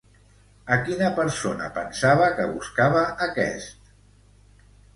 A quina persona pensava que buscava aquest?